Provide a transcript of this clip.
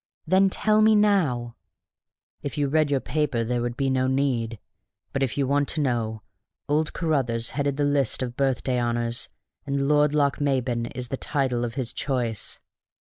"Then tell me now." "If you read your paper there would be no need; but if you want to know, old Carruthers headed the list of the Birthday Honors, and Lord Lochmaben is the title of his choice."